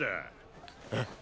えっ？